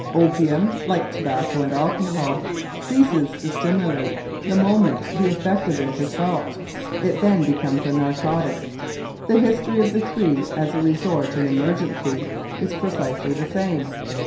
Opium, like tobacco and alcohol, ceases to stimulate the moment the effect of it is felt: it then becomes a narcotic. The history of the three as a resort in an emergency is precisely the same.